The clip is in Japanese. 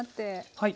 はい。